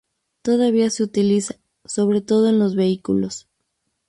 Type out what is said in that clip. Todavía se utiliza, sobre todo en los vehículos.